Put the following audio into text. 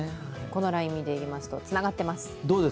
このライン、見ていきますとつながっています。